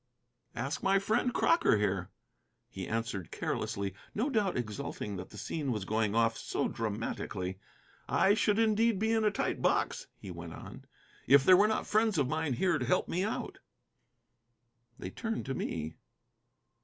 "Ask my friend Crocker here," he answered carelessly, no doubt exulting that the scene was going off so dramatically. "I should indeed be in a tight box," he went on, "if there were not friends of mine here to help me out." They turned to me.